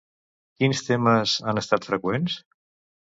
Quins temes han estat freqüents?